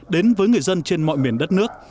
đến với người dân trên mọi miền đất nước